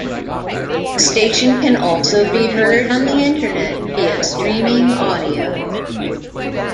The station can also be heard on the Internet via streaming audio.